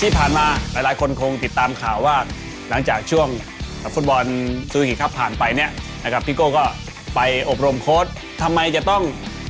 ที่ผ่านมาหลายคนคงติดตามข่าวว่าหลังจากช่วงฟุตบอลซื้อหิครับผ่านไปเนี่ยนะครับพี่โก้ก็ไปอบรมโค้ดทำไมจะต้อง